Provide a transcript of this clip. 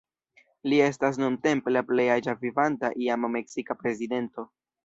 Li estas nuntempe la plej aĝa vivanta iama meksika prezidento.